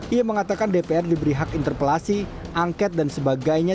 ia mengatakan dpr diberi hak interpelasi angket dan sebagainya